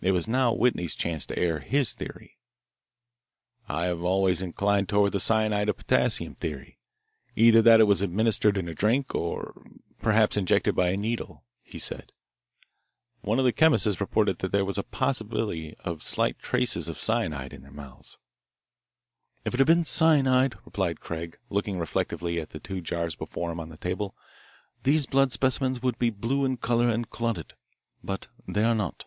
It was now Whitney's chance to air his theory. "I have always inclined toward the cyanide of potassium theory, either that it was administered in a drink or perhaps injected by a needle," he said. "One of the chemists has reported that there was a possibility of slight traces of cyanide in the mouths." "If it had been cyanide," replied Craig, looking reflectively at the two jars before him on the table, "these blood specimens would be blue in colour and clotted. But they are not.